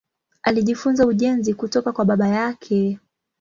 Alijifunza ujenzi kutoka kwa baba yake.